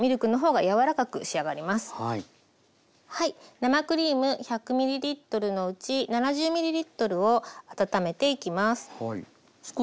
生クリーム１００ｍのうち７０ｍを温めていきます。